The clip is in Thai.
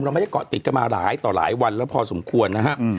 ไม่ได้เกาะติดกันมาหลายต่อหลายวันแล้วพอสมควรนะฮะ